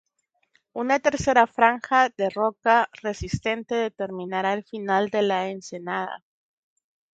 Una tercera franja, de roca resistente, determinará el final de la ensenada.